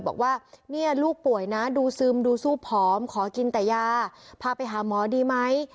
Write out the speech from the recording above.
บอกว่าเนี่ยลูกป่วยนะดูซึมดูสู้ผอมขอกินแต่ยาพาไปหาหมอดีไหม